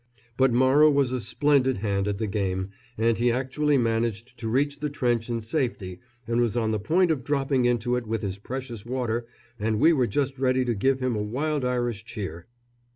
But Morrow was a splendid hand at the game, and he actually managed to reach the trench in safety and was on the point of dropping into it with his precious water, and we were just ready to give him a wild Irish cheer.